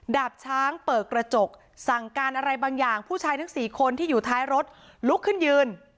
ดาบช้างเปิดกระจกสั่งการอะไรบางอย่างผู้ชายทั้ง๔คนที่อยู่ท้ายรถลุกขึ้นยืน